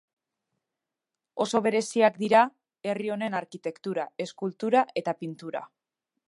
Oso bereziak dira herri honen arkitektura, eskultura eta pintura.